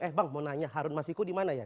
eh bang mau nanya harun masiku dimana ya